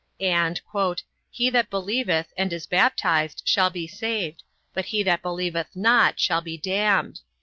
And "he that believeth, and is baptized, shall be saved; but he that believeth not, shall be damned."